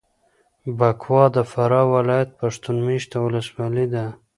بکوا د فراه ولایت پښتون مېشته ولسوالي ده.